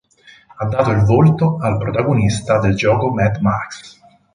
Ha dato il volto al protagonista del gioco Mad Max